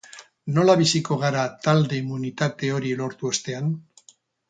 Nola biziko gara talde immunitate hori lortu ostean?